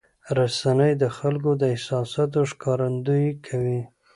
رسنۍ د خلکو د احساساتو ښکارندویي کوي.